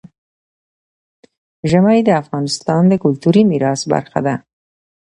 ژمی د افغانستان د کلتوري میراث برخه ده.